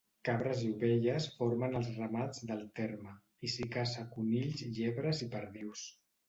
Cabres i ovelles formen els ramats del terme, i s'hi caça conills, llebres i perdius.